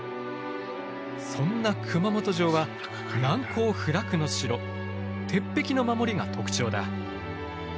そんな熊本城は難攻不落の城鉄壁の守りが特徴だ。